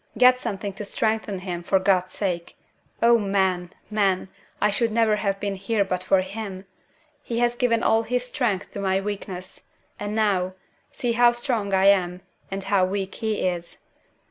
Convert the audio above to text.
"Get something to strengthen him, for God's sake! Oh, men! men! I should never have been here but for him! He has given all his strength to my weakness; and now, see how strong I am, and how weak he is!